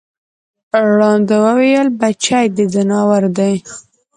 ړانده وویل بچی د ځناور دی